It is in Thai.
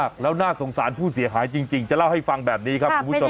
แล้วน่าสงสารผู้เสียหายจริงจะเล่าให้ฟังแบบนี้ครับคุณผู้ชม